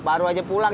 baru aja pulang